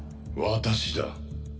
私だ。